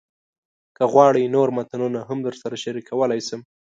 که غواړئ، نور متنونه هم درسره شریکولی شم.